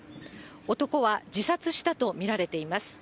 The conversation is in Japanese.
男は自殺したと見られています。